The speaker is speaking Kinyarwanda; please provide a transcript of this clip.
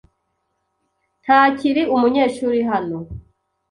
ntakiri umunyeshuri hano.